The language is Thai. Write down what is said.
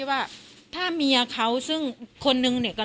กินโทษส่องแล้วอย่างนี้ก็ได้